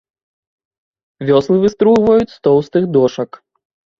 Вёслы выстругваюць з тоўстых дошак.